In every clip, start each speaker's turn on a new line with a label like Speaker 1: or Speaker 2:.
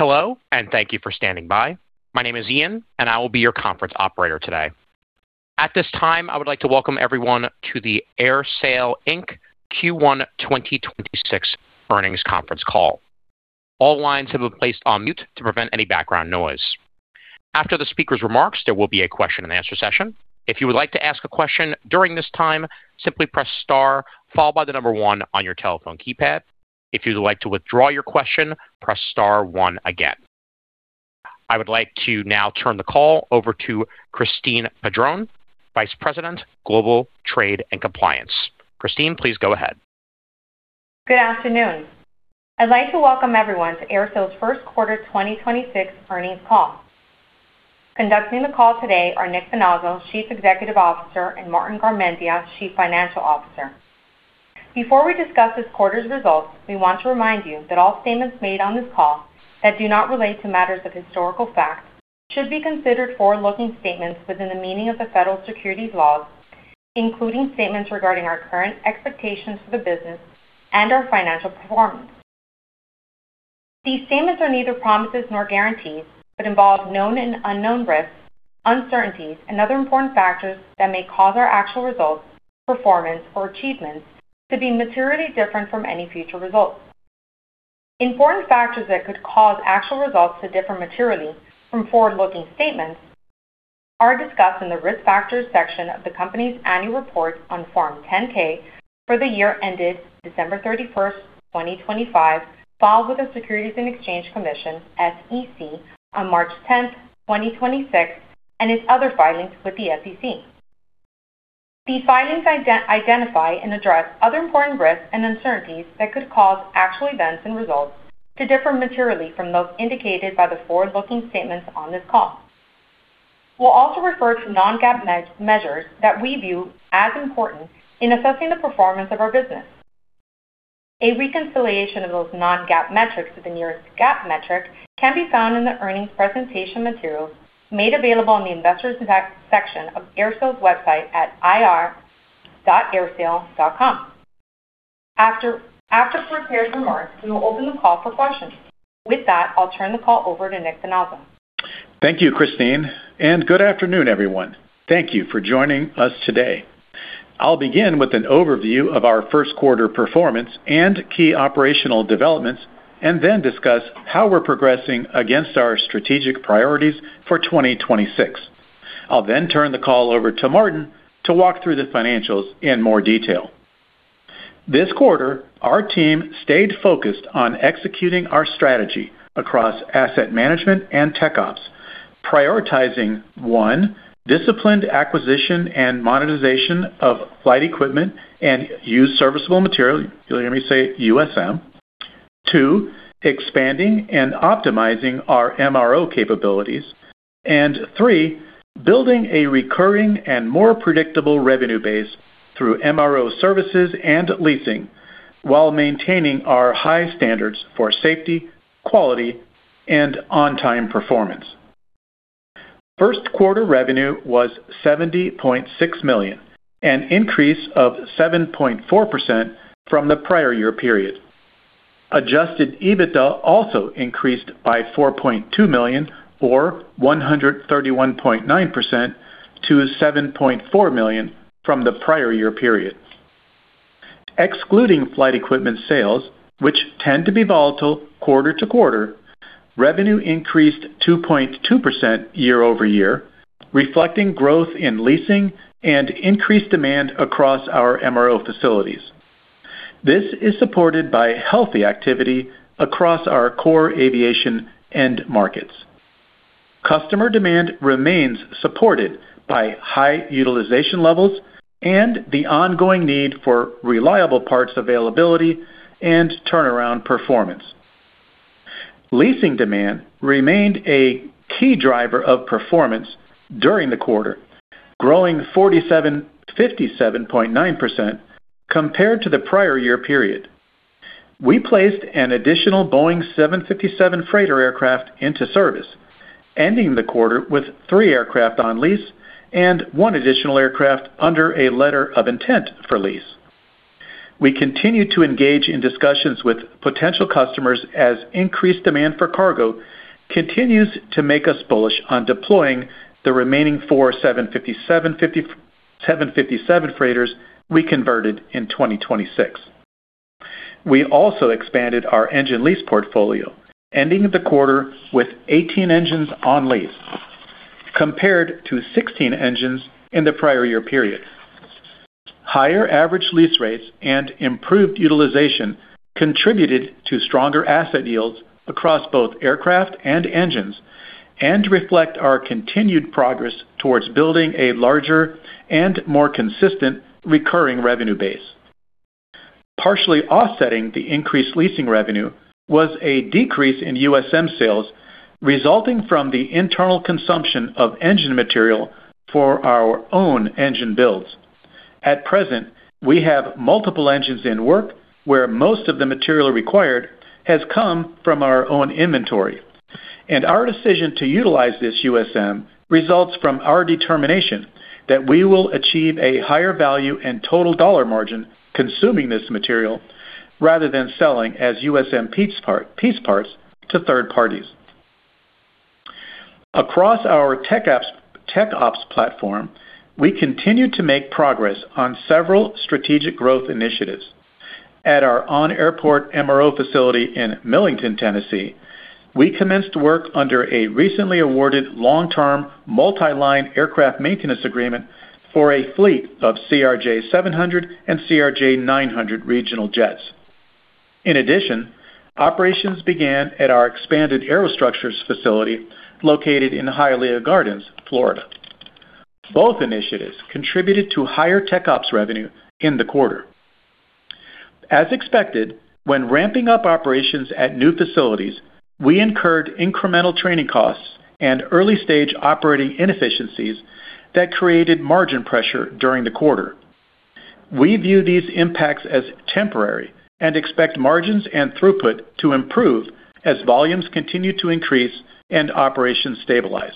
Speaker 1: Hello, and thank you for standing by. My name is Ian, and I will be your conference operator today. At this time, I would like to welcome everyone to the AerSale, Inc. Q1 2026 earnings conference call. All lines have been placed on mute to prevent any background noise. After the speaker's remarks, there will be a question-and-answer session. If you would like to ask a question during this time, simply press star followed by the number one on your telephone keypad. If you'd like to withdraw your question, press star one again. I would like to now turn the call over to Christine Padron, Vice President, Global Trade and Compliance. Christine, please go ahead.
Speaker 2: Good afternoon. I'd like to welcome everyone to AerSale's first quarter 2026 earnings call. Conducting the call today are Nick Finazzo, Chief Executive Officer, and Martin Garmendia, Chief Financial Officer. Before we discuss this quarter's results, we want to remind you that all statements made on this call that do not relate to matters of historical fact should be considered forward-looking statements within the meaning of the Federal Securities laws, including statements regarding our current expectations for the business and our financial performance. These statements are neither promises nor guarantees, but involve known and unknown risks, uncertainties, and other important factors that may cause our actual results, performance, or achievements to be materially different from any future results. Important factors that could cause actual results to differ materially from forward-looking statements are discussed in the Risk Factors section of the company's annual report on Form 10-K for the year ended December 31st, 2025, filed with the Securities and Exchange Commission, SEC, on March 10th, 2026, and its other filings with the SEC. These filings identify and address other important risks and uncertainties that could cause actual events and results to differ materially from those indicated by the forward-looking statements on this call. We'll also refer to non-GAAP measures that we view as important in assessing the performance of our business. A reconciliation of those non-GAAP metrics to the nearest GAAP metric can be found in the earnings presentation materials made available in the Investors section of AerSale's website at ir.aersale.com. After prepared remarks, we will open the call for questions. With that, I'll turn the call over to Nick Finazzo.
Speaker 3: Thank you, Christine, and good afternoon, everyone. Thank you for joining us today. I'll begin with an overview of our first quarter performance and key operational developments. Then discuss how we're progressing against our strategic priorities for 2026. I'll then turn the call over to Martin to walk through the financials in more detail. This quarter, our team stayed focused on executing our strategy across Asset Management and TechOps, prioritizing, one, disciplined acquisition and monetization of flight equipment and used serviceable material, you'll hear me say USM. Two, expanding and optimizing our MRO capabilities. Three, building a recurring and more predictable revenue base through MRO services and leasing while maintaining our high standards for safety, quality, and on-time performance. First quarter revenue was $70.6 million, an increase of 7.4% from the prior year period. Adjusted EBITDA also increased by $4.2 million or 131.9% to $7.4 million from the prior year period. Excluding flight equipment sales, which tend to be volatile quarter-to-quarter, revenue increased 2.2% year-over-year, reflecting growth in leasing and increased demand across our MRO facilities. This is supported by healthy activity across our core aviation end markets. Customer demand remains supported by high utilization levels and the ongoing need for reliable parts availability and turnaround performance. Leasing demand remained a key driver of performance during the quarter, growing 57.9% compared to the prior year period. We placed an additional Boeing 757 freighter aircraft into service, ending the quarter with three aircraft on lease and one additional aircraft under a letter of intent for lease. We continue to engage in discussions with potential customers as increased demand for cargo continues to make us bullish on deploying the remaining four 757 freighters we converted in 2026. We also expanded our engine lease portfolio, ending the quarter with 18 engines on lease compared to 16 engines in the prior year period. Higher average lease rates and improved utilization contributed to stronger asset yields across both aircraft and engines and reflect our continued progress towards building a larger and more consistent recurring revenue base. Partially offsetting the increased leasing revenue was a decrease in USM sales resulting from the internal consumption of engine material for our own engine builds. At present, we have multiple engines in work where most of the material required has come from our own inventory. Our decision to utilize this USM results from our determination that we will achieve a higher value and total dollar margin consuming this material rather than selling as USM piece parts to third parties. Across our TechOps platform, we continue to make progress on several strategic growth initiatives. At our on-airport MRO facility in Millington, Tennessee, we commenced work under a recently awarded long-term multi-line aircraft maintenance agreement for a fleet of CRJ700 and CRJ900 regional jets. In addition, operations began at our expanded aerostructures facility located in Hialeah Gardens, Florida. Both initiatives contributed to higher TechOps revenue in the quarter. As expected, when ramping up operations at new facilities, we incurred incremental training costs and early-stage operating inefficiencies that created margin pressure during the quarter. We view these impacts as temporary and expect margins and throughput to improve as volumes continue to increase and operations stabilize.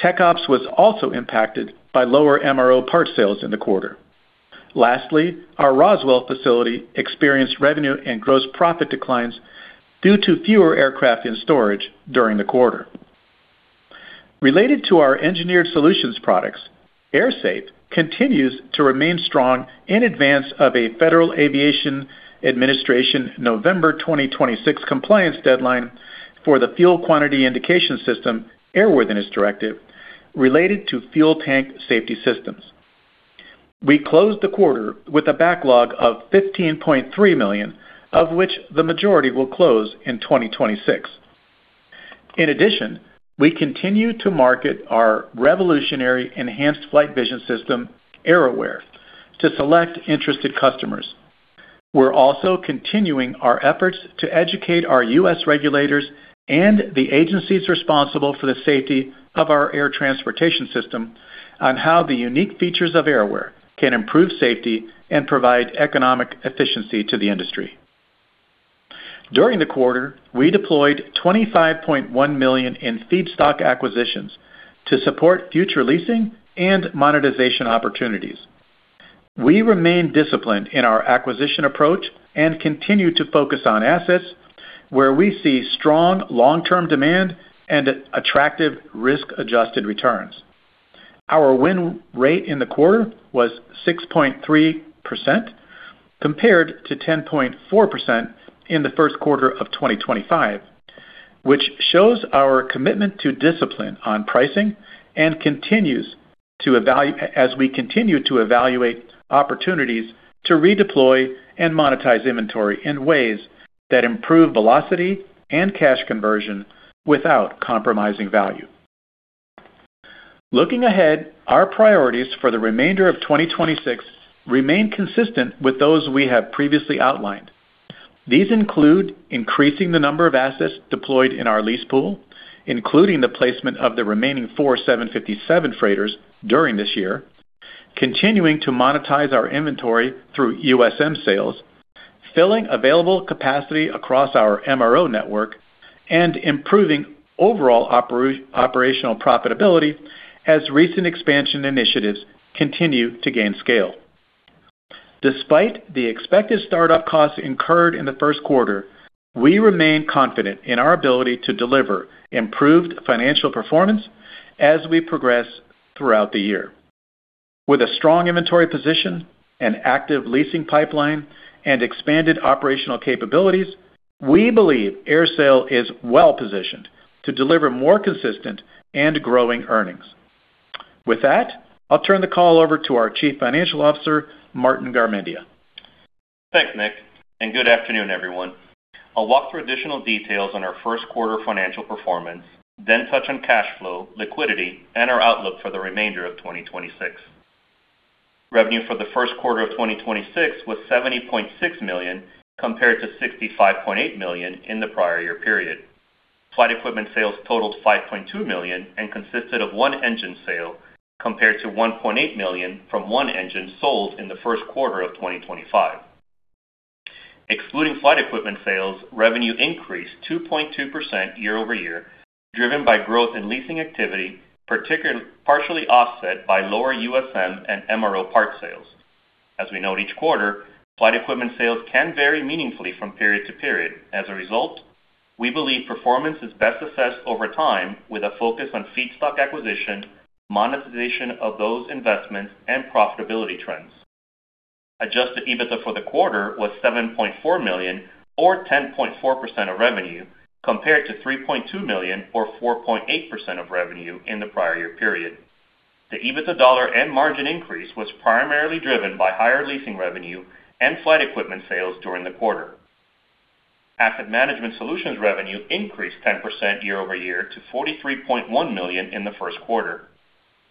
Speaker 3: TechOps was also impacted by lower MRO part sales in the quarter. Lastly, our Roswell facility experienced revenue and gross profit declines due to fewer aircraft in storage during the quarter. Related to our engineered solutions products, AerSafe continues to remain strong in advance of a Federal Aviation Administration November 2026 compliance deadline for the Fuel Quantity Indicating System Airworthiness Directive related to fuel tank safety systems. We closed the quarter with a backlog of $15.3 million, of which the majority will close in 2026. In addition, we continue to market our revolutionary enhanced flight vision system, AerAware, to select interested customers. We're also continuing our efforts to educate our U.S. regulators and the agencies responsible for the safety of our air transportation system on how the unique features of AerAware can improve safety and provide economic efficiency to the industry. During the quarter, we deployed $25.1 million in feedstock acquisitions to support future leasing and monetization opportunities. We remain disciplined in our acquisition approach and continue to focus on assets where we see strong long-term demand and attractive risk-adjusted returns. Our win rate in the quarter was 6.3% compared to 10.4% in the first quarter of 2025, which shows our commitment to discipline on pricing and as we continue to evaluate opportunities to redeploy and monetize inventory in ways that improve velocity and cash conversion without compromising value. Looking ahead, our priorities for the remainder of 2026 remain consistent with those we have previously outlined. These include increasing the number of assets deployed in our lease pool, including the placement of the remaining four 757 freighters during this year, continuing to monetize our inventory through USM sales, filling available capacity across our MRO network, and improving overall operational profitability as recent expansion initiatives continue to gain scale. Despite the expected startup costs incurred in the first quarter, we remain confident in our ability to deliver improved financial performance as we progress throughout the year. With a strong inventory position, an active leasing pipeline, and expanded operational capabilities, we believe AerSale is well-positioned to deliver more consistent and growing earnings. With that, I'll turn the call over to our Chief Financial Officer, Martin Garmendia.
Speaker 4: Thanks, Nick. Good afternoon, everyone. I'll walk through additional details on our first quarter financial performance, then touch on cash flow, liquidity, and our outlook for the remainder of 2026. Revenue for the first quarter of 2026 was $70.6 million, compared to $65.8 million in the prior year period. Flight equipment sales totaled $5.2 million and consisted of one engine sale, compared to $1.8 million from one engine sold in the first quarter of 2025. Excluding flight equipment sales, revenue increased 2.2% year-over-year, driven by growth in leasing activity, partially offset by lower USM and MRO part sales. As we note each quarter, flight equipment sales can vary meaningfully from period to period. As a result, we believe performance is best assessed over time with a focus on feedstock acquisition, monetization of those investments, and profitability trends. Adjusted EBITDA for the quarter was $7.4 million or 10.4% of revenue, compared to $3.2 million or 4.8% of revenue in the prior-year period. The EBITDA dollar and margin increase was primarily driven by higher leasing revenue and flight equipment sales during the quarter. Asset Management Solutions revenue increased 10% year-over-year to $43.1 million in the first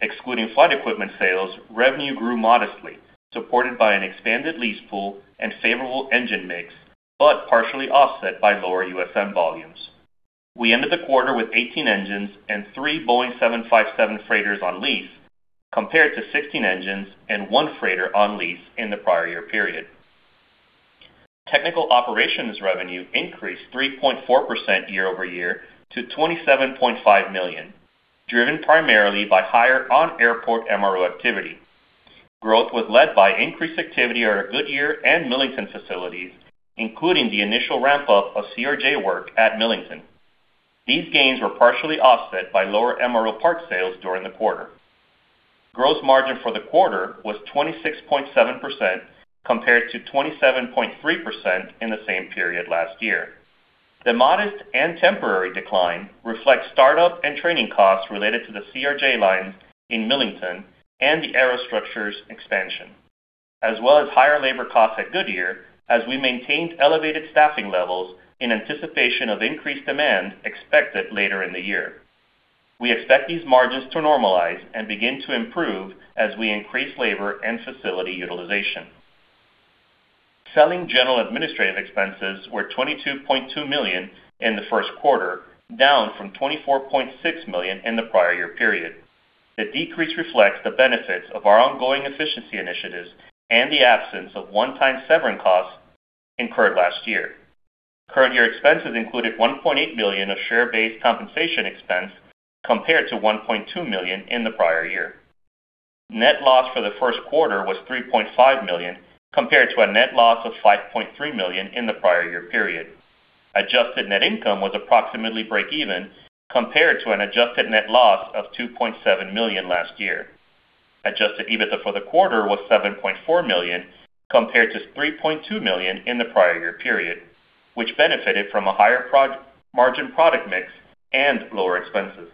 Speaker 4: quarter. Excluding flight equipment sales, revenue grew modestly, supported by an expanded lease pool and favorable engine mix, but partially offset by lower USM volumes. We ended the quarter with 18 engines and three Boeing 757 freighters on lease, compared to 16 engines and one freighter on lease in the prior year period. Technical Operations revenue increased 3.4% year-over-year to $27.5 million, driven primarily by higher on-airport MRO activity. Growth was led by increased activity at our Goodyear and Millington facilities, including the initial ramp-up of CRJ work at Millington. These gains were partially offset by lower MRO parts sales during the quarter. Gross margin for the quarter was 26.7% compared to 27.3% in the same period last year. The modest and temporary decline reflects startup and training costs related to the CRJ lines in Millington and the Aerostructures expansion, as well as higher labor costs at Goodyear as we maintained elevated staffing levels in anticipation of increased demand expected later in the year. We expect these margins to normalize and begin to improve as we increase labor and facility utilization. Selling general administrative expenses were $22.2 million in the first quarter, down from $24.6 million in the prior year period. The decrease reflects the benefits of our ongoing efficiency initiatives and the absence of one-time severance costs incurred last year. Current year expenses included $1.8 million of share-based compensation expense compared to $1.2 million in the prior year. Net loss for the first quarter was $3.5 million compared to a net loss of $5.3 million in the prior year period. Adjusted net income was approximately breakeven compared to an adjusted net loss of $2.7 million last year. Adjusted EBITDA for the quarter was $7.4 million compared to $3.2 million in the prior year period, which benefited from a higher margin product mix and lower expenses.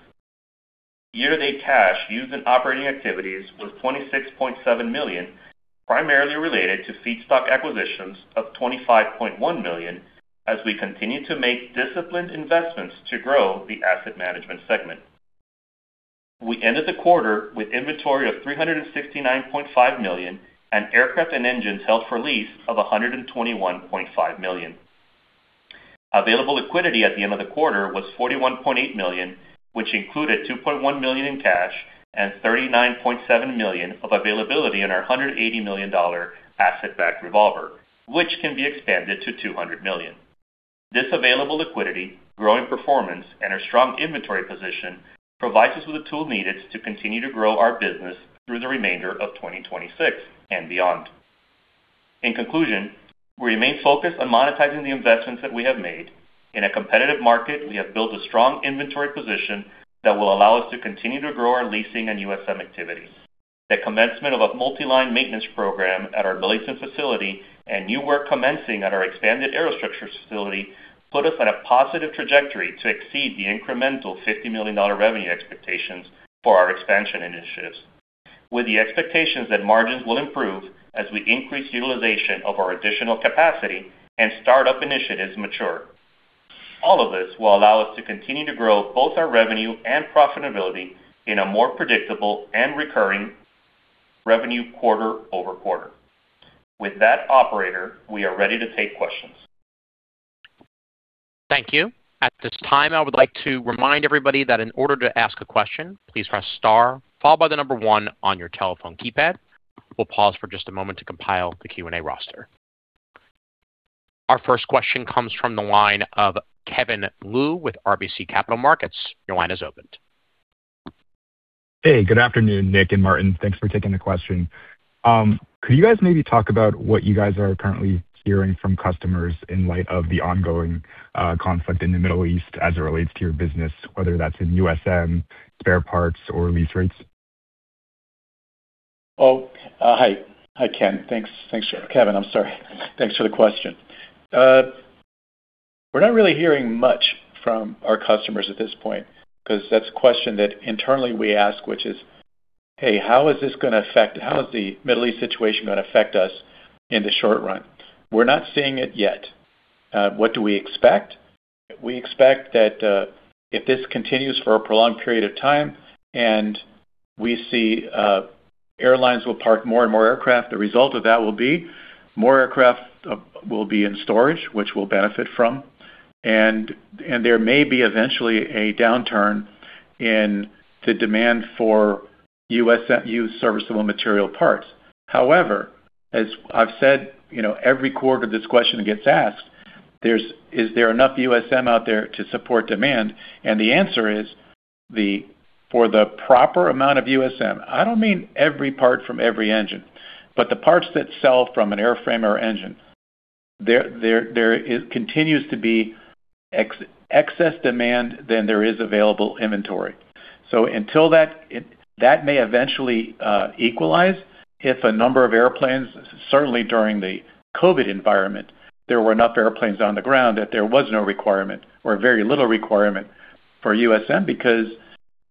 Speaker 4: Year-to-date cash used in operating activities was $26.7 million, primarily related to feedstock acquisitions of $25.1 million as we continue to make disciplined investments to grow the Asset Management segment. We ended the quarter with inventory of $369.5 million and aircraft and engines held for lease of $121.5 million. Available liquidity at the end of the quarter was $41.8 million, which included $2.1 million in cash and $39.7 million of availability in our $180 million asset-backed revolver, which can be expanded to $200 million. This available liquidity, growing performance, and our strong inventory position provides us with the tools needed to continue to grow our business through the remainder of 2026 and beyond. In conclusion, we remain focused on monetizing the investments that we have made. In a competitive market, we have built a strong inventory position that will allow us to continue to grow our leasing and USM activities. The commencement of a multi-line maintenance program at our Millington facility and new work commencing at our expanded Aerostructures facility put us on a positive trajectory to exceed the incremental $50 million revenue expectations for our expansion initiatives. With the expectations that margins will improve as we increase utilization of our additional capacity and start-up initiatives mature. All of this will allow us to continue to grow both our revenue and profitability in a more predictable and recurring revenue quarter-over-quarter. With that, operator, we are ready to take questions.
Speaker 1: Thank you. At this time, I would like to remind everybody that in order to ask a question, please press star followed by the number one on your telephone keypad. We'll pause for just a moment to compile the Q&A roster. Our first question comes from the line of Kevin Liu with RBC Capital Markets. Your line is opened.
Speaker 5: Hey, good afternoon, Nick and Martin. Thanks for taking the question. Could you guys maybe talk about what you guys are currently hearing from customers in light of the ongoing conflict in the Middle East as it relates to your business, whether that's in USM, spare parts, or lease rates?
Speaker 3: Hi, Kevin. Thanks for the question. We're not really hearing much from our customers at this point because that's a question that internally we ask, which is, "Hey, how is the Middle East situation gonna affect us in the short run?" We're not seeing it yet. What do we expect? We expect that if this continues for a prolonged period of time and we see airlines will park more and more aircraft, the result of that will be more aircraft will be in storage, which we'll benefit from. There may be eventually a downturn in the demand for U.S. used serviceable material parts. However, as I've said, you know, every quarter this question gets asked, is there enough USM out there to support demand? The answer is the for the proper amount of USM, I don't mean every part from every engine, but the parts that sell from an airframe or engine, there is continues to be excess demand than there is available inventory. Until that, it that may eventually equalize if a number of airplanes. Certainly, during the COVID environment, there were enough airplanes on the ground that there was no requirement or very little requirement for USM because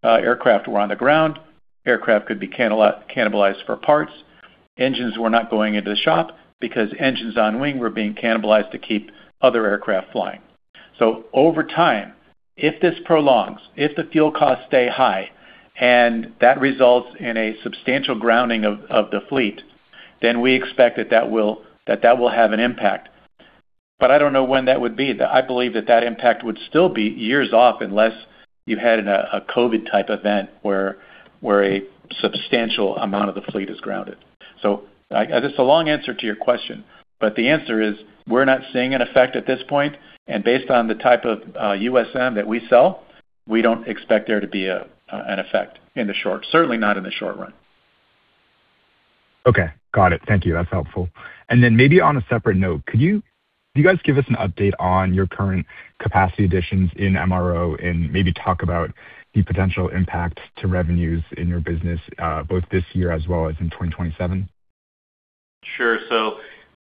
Speaker 3: aircraft were on the ground. Aircraft could be cannibalized for parts. Engines were not going into the shop because engines on wing were being cannibalized to keep other aircraft flying. Over time, if this prolongs, if the fuel costs stay high and that results in a substantial grounding of the fleet, then we expect that that will have an impact. But I don't know when that would be. I believe that that impact would still be years off unless you had a COVID type event where a substantial amount of the fleet is grounded. That's a long answer to your question, but the answer is we're not seeing an effect at this point, and based on the type of USM that we sell, we don't expect there to be an effect in the short, certainly not in the short run.
Speaker 5: Okay. Got it. Thank you. That's helpful. Maybe on a separate note, can you guys give us an update on your current capacity additions in MRO and maybe talk about the potential impact to revenues in your business, both this year as well as in 2027?
Speaker 4: Sure.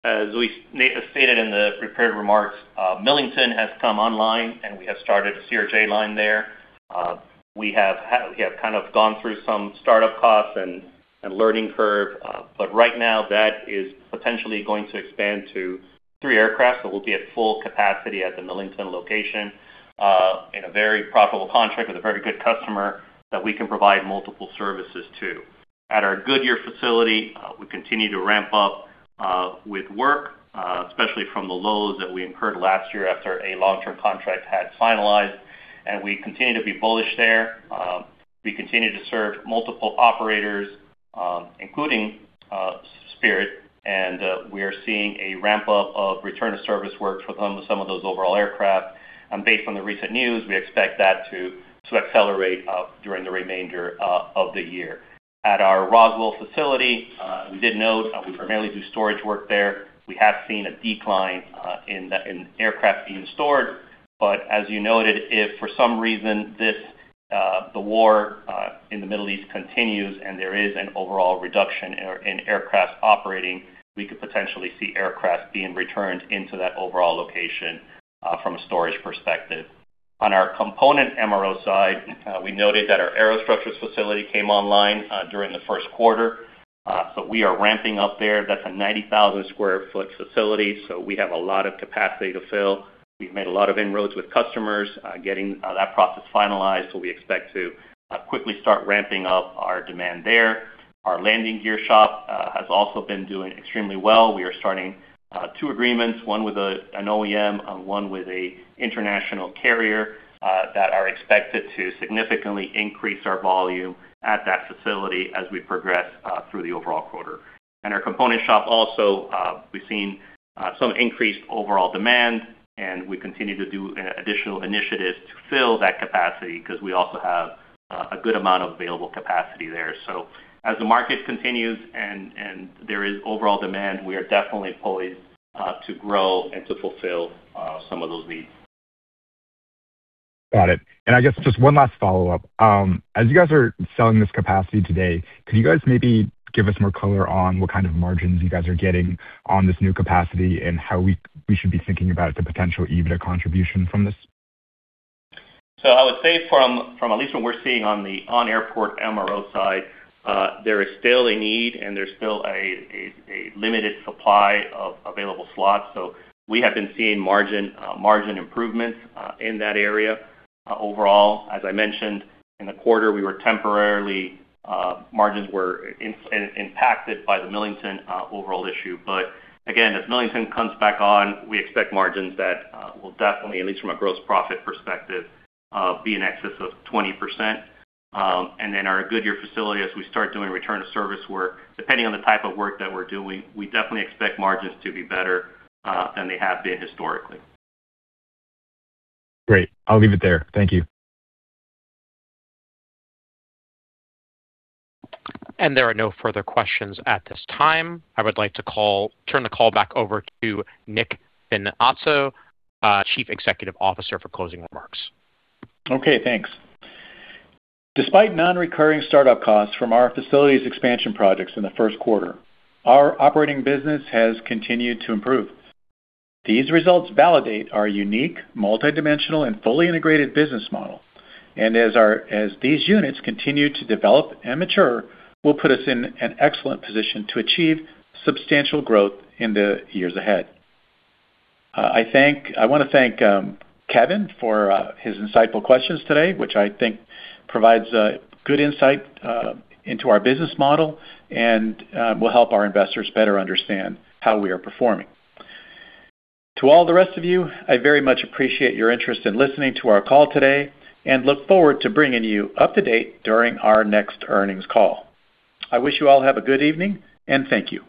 Speaker 4: As we stated in the prepared remarks, Millington has come online, and we have started a CRJ line there. We have kind of gone through some startup costs and learning curve, but right now that is potentially going to expand to three aircraft that will be at full capacity at the Millington location in a very profitable contract with a very good customer that we can provide multiple services to. At our Goodyear facility, we continue to ramp up with work, especially from the lows that we incurred last year after a long-term contract had finalized, we continue to be bullish there. We continue to serve multiple operators, including Spirit, we are seeing a ramp up of return to service works with some of those overall aircraft. Based on the recent news, we expect that to accelerate during the remainder of the year. At our Roswell facility, we did note, we primarily do storage work there. We have seen a decline in aircraft being stored. As you noted, if for some reason this the war in the Middle East continues and there is an overall reduction in aircraft operating, we could potentially see aircraft being returned into that overall location from a storage perspective. On our component MRO side, we noted that our aerostructures facility came online during the first quarter. We are ramping up there. That's a 90,000 sq ft facility, so we have a lot of capacity to fill. We've made a lot of inroads with customers, getting that process finalized, so we expect to quickly start ramping up our demand there. Our landing gear shop has also been doing extremely well. We are starting two agreements, one with an OEM and one with an international carrier, that are expected to significantly increase our volume at that facility as we progress through the overall quarter. In our component shop also, we've seen some increased overall demand, and we continue to do additional initiatives to fill that capacity because we also have a good amount of available capacity there. As the market continues and there is overall demand, we are definitely poised to grow and to fulfill some of those needs.
Speaker 5: Got it. I guess just one last follow-up. As you guys are selling this capacity today, can you guys maybe give us more color on what kind of margins you guys are getting on this new capacity and how we should be thinking about the potential EBITDA contribution from this?
Speaker 4: I would say from at least what we're seeing on the on-airport MRO side, there is still a need and there's still a limited supply of available slots. We have been seeing margin improvements in that area. Overall, as I mentioned, in the quarter, we were temporarily, margins impacted by the Millington overall issue. Again, as Millington comes back on, we expect margins that will definitely, at least from a gross profit perspective, be in excess of 20%. Our Goodyear facility, as we start doing return to service work, depending on the type of work that we're doing, we definitely expect margins to be better than they have been historically.
Speaker 5: Great. I'll leave it there. Thank you.
Speaker 1: There are no further questions at this time. I would like to turn the call back over to Nick Finazzo, Chief Executive Officer, for closing remarks.
Speaker 3: Okay, thanks. Despite non-recurring startup costs from our facilities expansion projects in the first quarter, our operating business has continued to improve. These results validate our unique, multidimensional, and fully integrated business model. As these units continue to develop and mature, will put us in an excellent position to achieve substantial growth in the years ahead. I want to thank Kevin for his insightful questions today, which I think provides a good insight into our business model and will help our investors better understand how we are performing. To all the rest of you, I very much appreciate your interest in listening to our call today and look forward to bringing you up to date during our next earnings call. I wish you all have a good evening and thank you.